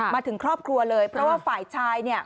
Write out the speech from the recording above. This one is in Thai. มาถึงครอบครัวเลยเพราะว่าฝ่ายชายเนี่ย